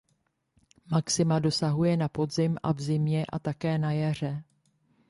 Maxima dosahuje na podzim a v zimě a také na jaře.